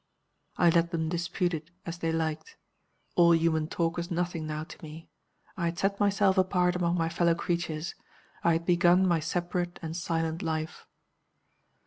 I let them dispute it as they liked. All human talk was nothing now to me. I had set myself apart among my fellow creatures; I had begun my separate and silent life.